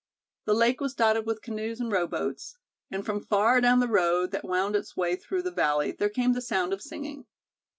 The lake was dotted with canoes and rowboats, and from far down the road that wound its way through the valley there came the sound of singing.